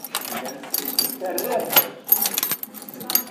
Terram-d.